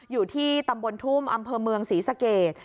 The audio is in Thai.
อยู่ที่ตำบลทุ่มอำเภอเมืองศรีสเกต